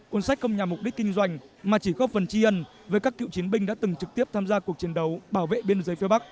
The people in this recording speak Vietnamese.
cuốn sách không nhằm mục đích kinh doanh mà chỉ góp phần tri ân với các cựu chiến binh đã từng trực tiếp tham gia cuộc chiến đấu bảo vệ biên giới phía bắc